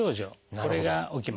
これが起きます。